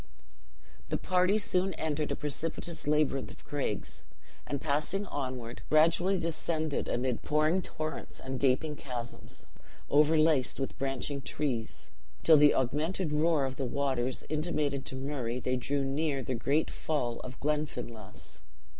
The party soon entered a precipitous labyrinth of craigs; and, passing onward, gradually descended amid pouring torrents, and gaping chasms overlaced with branching trees, till the augmented roar of waters intimated to Murray, they drew near the great fall of Glenfinlass.